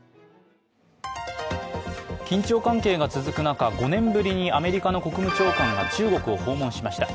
緊張関係が続く中、５年ぶりにアメリカの国務長官が中国を訪問しました。